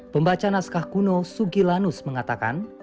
pembaca naskah kuno sugilanus mengatakan